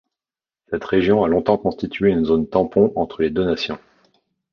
Cette région a longtemps constitué une zone tampon entre les deux nations.